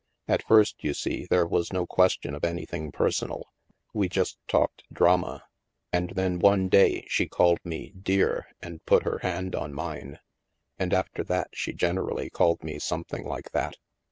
At first, you see, there was no question of anything personal. We just talked drama. And then, one day, she called me ' dear ' and put her hand on mine. And after that she generally called me something like that."